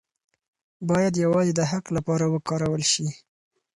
باید یوازې د حق لپاره وکارول شي.